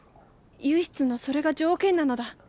唯一のそれが条件なのだ。